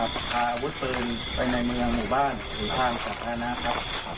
พระวุธปืนในเมืองหมู่บ้านและทางท่าธนาท่าครับ